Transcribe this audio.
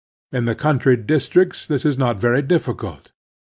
/^ In the country districts this is not very difficult.